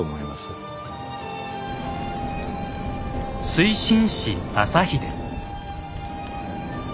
水心子正秀。